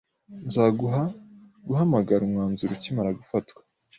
Nzaguha guhamagara umwanzuro ukimara gufatwa